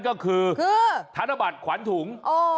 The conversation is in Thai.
ก็คือธนบัตรขวัญถุง